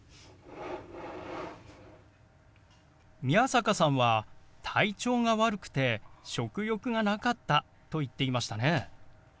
宮坂さんは「体調が悪くて食欲がなかった」と言っていましたね。